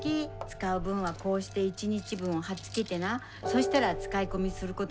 使う分はこうして１日分を貼っつけてなそしたら使い込みすることもあらへん。